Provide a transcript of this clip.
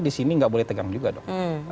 di sini nggak boleh tegang juga dong